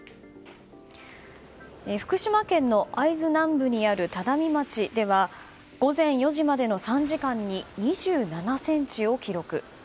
福島県の会津南部にある只見町では午前４時までの３時間に２７ｃｍを記録。